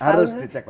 harus dicek lagi